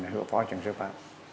hữu phó trường sư phạm